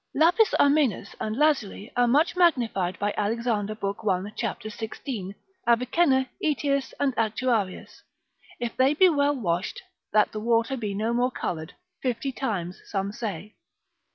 Lapis armenus and lazuli are much magnified by Alexander lib. 1. cap. 16. Avicenna, Aetius, and Actuarius, if they be well washed, that the water be no more coloured, fifty times some say.